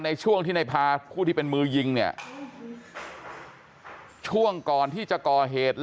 ในช่วงที่ในพาผู้ที่เป็นมือยิงเนี่ยช่วงก่อนที่จะก่อเหตุ